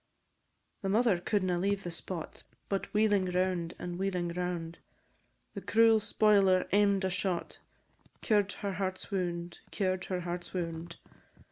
The mother cou'dna leave the spot, But wheeling round, and wheeling round, The cruel spoiler aim'd a shot, Cured her heart's wound, cured her heart's wound.